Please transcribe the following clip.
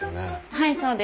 はいそうです。